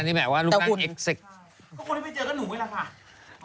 ก็คนที่ไปเจอก็หนูไงล่ะค่ะ